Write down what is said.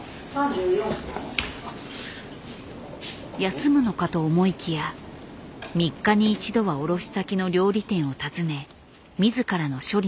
休むのかと思いきや３日に１度は卸先の料理店を訪ね自らの処理の出来を確認するという。